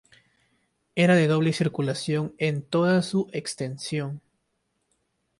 Era de doble circulación en toda su extensión.